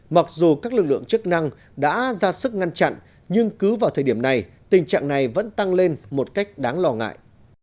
mặc dù các lực lượng chức năng đã ra sức ngăn chặn nhưng cứ vào thời điểm này tình trạng này vẫn tăng lên một cách đáng lo ngại